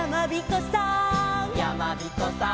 「やまびこさん」